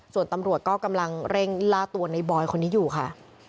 ส่วนตำรวจก็กำลังเร่งล่าตัวในบอยคนนี้อยู่ค่ะ